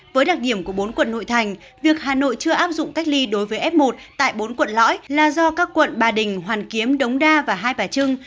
với đặc điểm của bốn quận nội thành việc hà nội chưa áp dụng cách ly đối với f một tại bốn quận lõi là do các quận ba đình hoàn kiếm đống đa và hai bà trưng